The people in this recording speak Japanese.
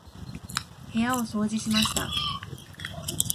部屋を掃除しました。